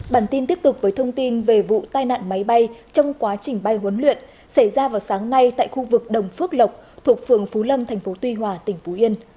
bản tin tiếp tục với thông tin về vụ tai nạn máy bay trong quá trình bay huấn luyện xảy ra vào sáng nay tại khu vực đồng phước lộc thuộc phường phú lâm thành phố tuy hòa tỉnh phú yên